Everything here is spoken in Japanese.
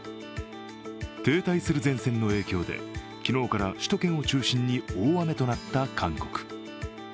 停滞する前線の影響で、昨日から首都圏を中心に大雨となった韓国。